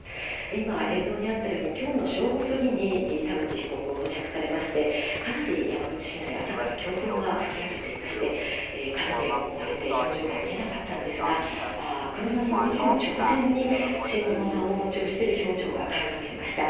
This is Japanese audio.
今、映像にあったように、きょうの正午過ぎに田口被告、保釈されまして、かなり山口市内、朝から強風が吹き荒れていまして、髪で覆われて、表情が見えなかったんですが、車に乗り込む直前に、神妙な面持ちをしている表情がかいま見えました。